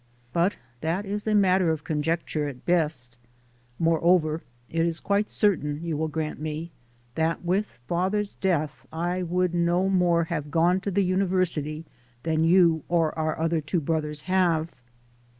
But that is a matter of conjecture at best. More over, it is quite certain, you will grant me, that with father's death I would no more have gone to the AMERICAN PHILOSOPHY OF LIFE 277 University than you or our other two brothers have.